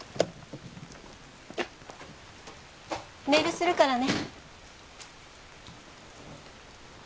メールするからね。